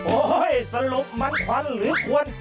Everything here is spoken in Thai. สรุปมันควันหรือควร